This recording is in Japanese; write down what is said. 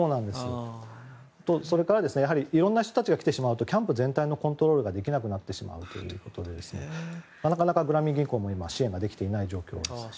それから、いろんな人たちが来てしまうとキャンプ全体のコントロールができなくなるということでなかなかグラミン銀行も支援ができていない状況です。